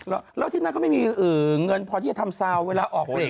แล้วที่นั้นก็ไม่เงินเพราะที่จะทำเจ้าเวลาออก